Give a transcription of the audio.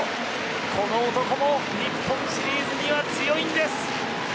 この男も日本シリーズには強いんです！